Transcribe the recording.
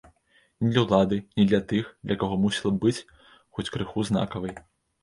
Ні для ўлады, ні для тых, для каго мусіла б быць хоць крыху знакавай.